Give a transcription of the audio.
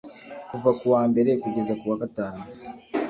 kuva ku wa Mbere kugeza ku wa Gatanu